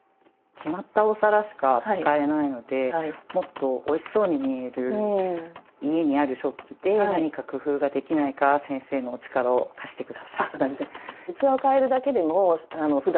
決まったお皿しか使えないのでもっとおいしそうに見える家にある食器で何か工夫ができないか先生のお力を貸してください。